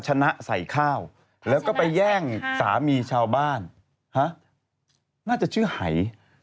นะใส่ข้าวแล้วก็ไปแย่งสามีชาวบ้านน่าจะชื่อหาย